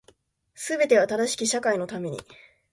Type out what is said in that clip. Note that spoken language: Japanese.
全ては正しき社会のために